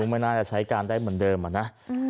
ไม่น่าจะใช้การได้เหมือนเดิมอะนะ